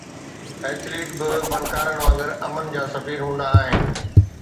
Athlete به فنڪارن وانگر امن جا سفير هوندا آهن.